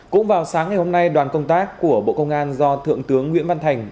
cũng vào sáng ngày hôm nay đoàn công tác của bộ công an do thượng tướng nguyễn văn thành